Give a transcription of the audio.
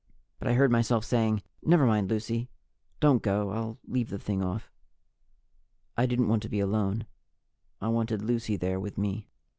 But I heard myself saying, "Never mind, Lucy. Don't go. I'll leave the thing off." I didn't want to be alone. I wanted Lucy there with me.